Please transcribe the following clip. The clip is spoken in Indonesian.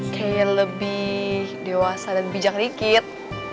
kayak lebih dewasa dan bijak dikit